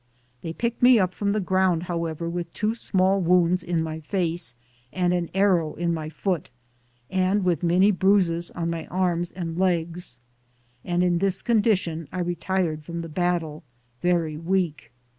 They picked me up from the ground, however, with two small wounds in my face and an arrow in my foot, and with many bruises on my arms and lege, and in this condition I retired from the battle, very weak.